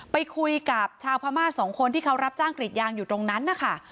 ไปคุยกับชาวพม่าสองคนที่เขารับจ้างกรีดยางอยู่ตรงนั้นนะคะ